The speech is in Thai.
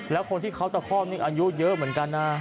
แล้วคนที่เขาตะคอกนี่อายุเยอะเหมือนกันนะ